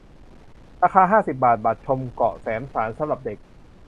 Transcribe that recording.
ราคา ห้าสิบ บาท บัตรชมเกาะแสมสารสำหรับเด็ก